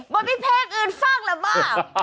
มึ้นเหรอได้ดิมันไม่แพ้กับอื่นฟังเหรอบอร์